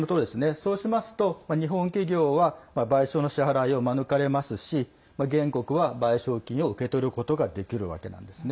そうしますと、日本企業は賠償の支払いを免れますし原告は賠償金を受け取ることができるわけなんですね。